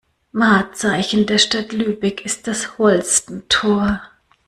Wahrzeichen der Stadt Lübeck ist das Holstentor.